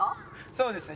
そうですね